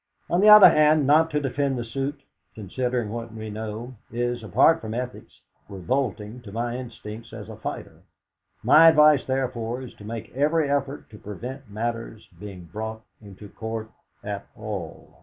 On the other hand, not to defend the suit, considering what we know, is, apart from ethics, revolting to my instincts as a fighter. My advice, therefore, is to make every effort to prevent matters being brought into court at all.